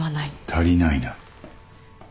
足りないな。